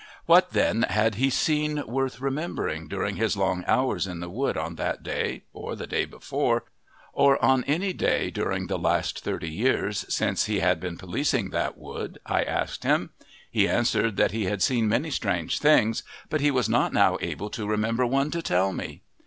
What, then, had he seen worth remembering during his long hours in the wood on that day, or the day before, or on any day during the last thirty years since he had been policing that wood, I asked him. He answered that he had seen many strange things, but he was not now able to remember one to tell me!